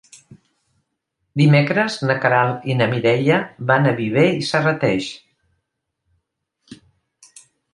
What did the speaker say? Dimecres na Queralt i na Mireia van a Viver i Serrateix.